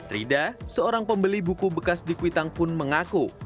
rida seorang pembeli buku bekas di kuitang pun mengaku